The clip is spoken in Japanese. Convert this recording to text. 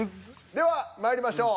ではまいりましょう。